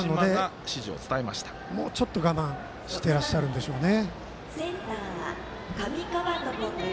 もうちょっと我慢してらっしゃるんでしょうね。